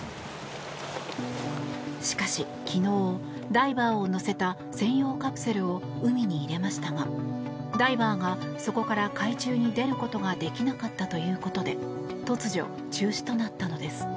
しかし昨日ダイバーを乗せた専用カプセルを海に入れましたがダイバーがそこから海中に出ることができなかったということで突如、中止となったのです。